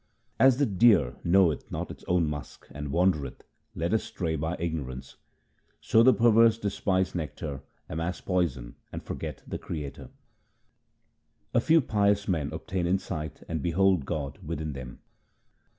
As the deer knoweth not its own musk, and wandereth, led astray by ignorance, So the perverse despise nectar, amass poison, and forget the Creator. A few pious men obtain insight and behold God within them.